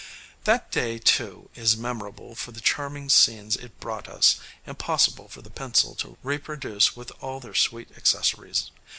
That day, too, is memorable for the charming scenes it brought us, impossible for the pencil to reproduce with all their sweet accessories.